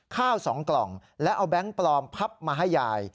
ข้าว๒กล่องแล้วเอาแบงค์ปลอมพับมาให้ยาย